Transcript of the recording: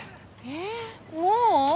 えっもう？